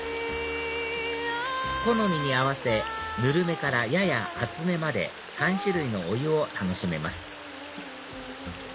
好みに合わせぬるめからやや熱めまで３種類のお湯を楽しめます